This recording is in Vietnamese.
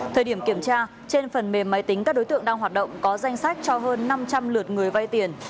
thời điểm kiểm tra trên phần mềm máy tính các đối tượng đang hoạt động có danh sách cho hơn năm trăm linh lượt người vay tiền